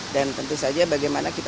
dan tentu saja bagaimana kita